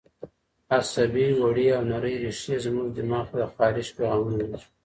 عصبي وړې او نرۍ رېښې زموږ دماغ ته د خارښ پیغامونه لېږي.